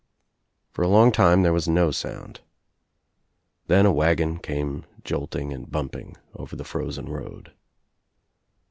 For a long time there was no sound. Then a wagoD came jolting and bumping over the frozen road.